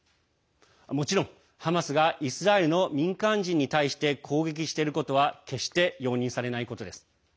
もちろん、ハマスがイスラエルの民間人に対して攻撃していることは決して容認されないことです。